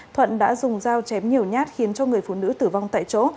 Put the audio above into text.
thuận đã dùng dao chém nhiều nhát khiến cho người phụ nữ tử vong tại chỗ